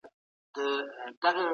ایا کوچني پلورونکي وچ انار پروسس کوي؟